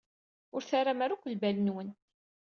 Ur terram ara akk lbal-nwen.